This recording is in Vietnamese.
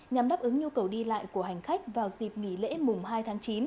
nhằm đáp ứng nhu cầu đi lại của hành khách vào dịp nghỉ lễ mùng hai tháng chín